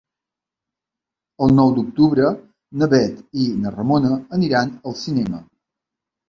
El nou d'octubre na Bet i na Ramona aniran al cinema.